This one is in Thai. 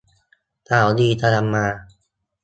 ข่าวดีกำลังจะมา